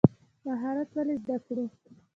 مهارت ولې زده کړو؟